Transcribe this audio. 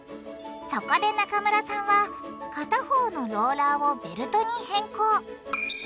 そこで中村さんは片方のローラーをベルトに変更。